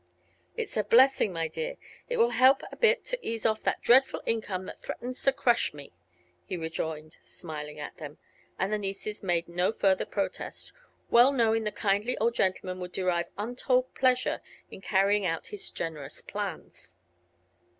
"It's a blessing, my dear. It will help a bit to ease off that dreadful income that threatens to crush me," he rejoined, smiling at them. And the nieces made no further protest, well knowing the kindly old gentleman would derive untold pleasure in carrying out his generous plans.